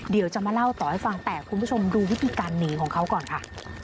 เดี๋ยวจะมาเล่าต่อให้ฟังแต่คุณผู้ชมดูวิธีการหนีของเขาก่อนค่ะ